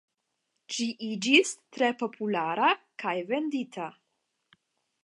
Ĝi iĝis tre populara kaj vendita.